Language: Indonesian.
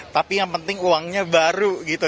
tapi yang penting uangnya baru gitu